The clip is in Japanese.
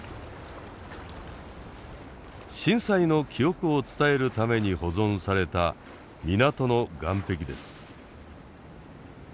震災の記憶を伝えるために保存された港の岸壁です。